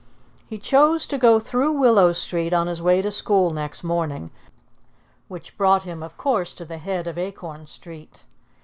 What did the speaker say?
He chose to go through Willow Street on his way to school next morning, which brought him of course to the head of Acorn Street.